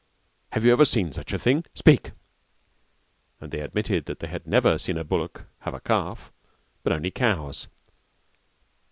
Have you ever seen such a thing? Speak," And they admitted that they had never seen a bullock have a calf, but only cows.